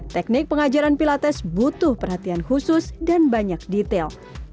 teknik pengajaran pilates butuh perhatian khusus dan banyak detail